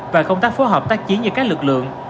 và công tác phối hợp tác chiến giữa các lực lượng